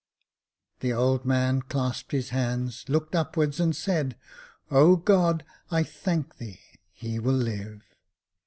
The old man clasped his hands, looked upwards, and said, *' O God, I thank thee — he will live.